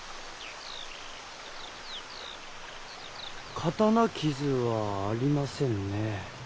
刀傷はありませんねえ。